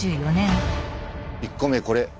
１個目これ。